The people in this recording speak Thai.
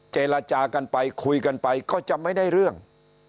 เจรจากันไปคุยกันไปก็จะไม่ได้เรื่อง